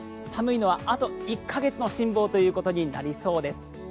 寒いのはあと１か月の辛抱ということになりそうです。